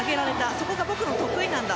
そこが僕の得意なんだ。